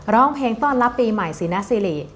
ร้องเพลงต้อนรับปีใหม่สินสิริ